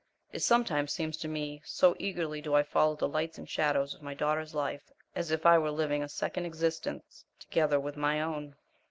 It sometimes seems to me, so eagerly do I follow the lights and shadows of my daughter's life, as if I were living a second existence together with my own.